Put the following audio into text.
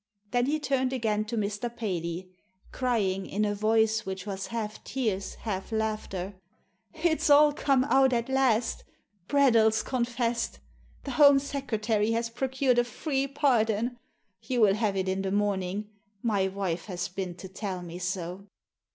Then he turned again to Mr. Paley, crying, in a voice which was half tears, half laughter, " It's all come out at last I Bradell's confessed! The Home Secretary has procured a free pardon! You will have it in the morning. My wife has been to tell me so."